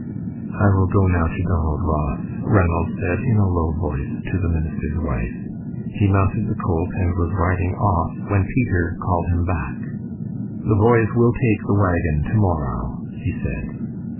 "I will go now to Donald Ross," Ranald said, in a low voice, to the minister's wife. He mounted the colt and was riding off, when Peter called him back. "The boys will take the wagon to morrow," he said.